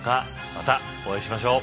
またお会いしましょう！